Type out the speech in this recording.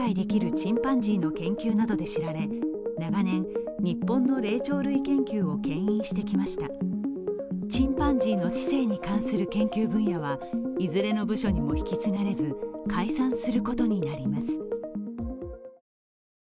チンパンジーの知性に関する研究分野はいずれの部署にも引き継がれず解散することになります。